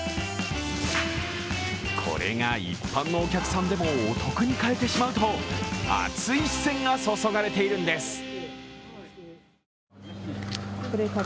これが一般のお客さんでもお得に買えてしまうと熱い視線が注がれているんです。